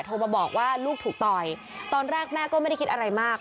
โทรมาบอกว่าลูกถูกต่อยตอนแรกแม่ก็ไม่ได้คิดอะไรมาก